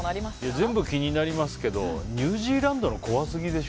全部気になりますけどニュージーランドの怖すぎでしょ。